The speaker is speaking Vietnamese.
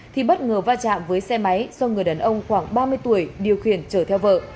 thì bất ngờ va chạm với xe máy do người đàn ông khoảng ba mươi tuổi điều khiển chở theo vợ